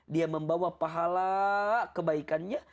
dia membawa pahala kebaikannya